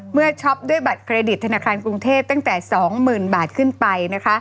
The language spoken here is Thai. ช็อปด้วยบัตรเครดิตธนาคารกรุงเทพตั้งแต่๒๐๐๐บาทขึ้นไปนะคะ